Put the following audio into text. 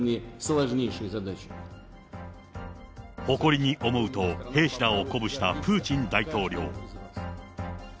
誇りに思うと、兵士らを鼓舞したプーチン大統領。